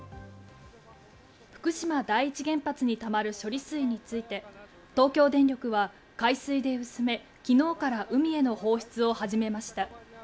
福島第一原発にたまる処理水について東京電力は海水で薄め、きのうから海への放出を始めました。